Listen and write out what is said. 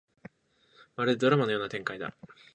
まるでドラマのような展開だ